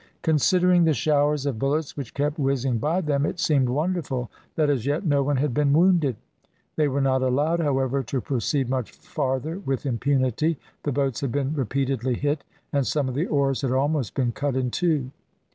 Considering the showers of bullets which kept whizzing by them, it seemed wonderful that as yet no one had been wounded. They were not allowed, however, to proceed much farther with impunity. The boats had been repeatedly hit, and some of the oars had almost been cut in two.